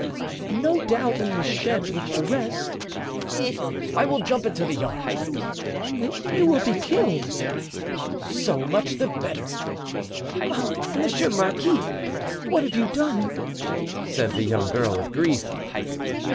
"No doubt in the shed with the rest." "I will jump into the yard." "You will be killed." "So much the better!" "Ah monsieur marquis, what have, you done?" said the young girl with grief.